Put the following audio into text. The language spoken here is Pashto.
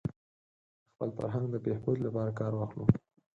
د خپل فرهنګ د بهبود لپاره کار واخلو.